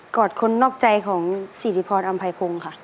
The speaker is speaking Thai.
กอดคนนอกใจของศรีริพรอัมภัยพงศ์ค่ะ